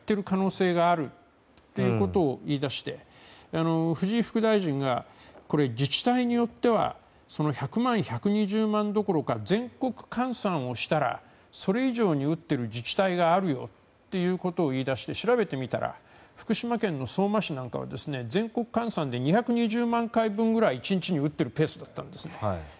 １２０万くらいいっている可能性があるということを言い出して藤井副大臣が自治体によっては１００万、１２０万どころか全国換算をしたらそれ以上に打っている自治体があるよってことを言い出して調べてみたら福島県の相馬市は全国換算で２２０万回ぐらい１日に打ってるペースだったんです。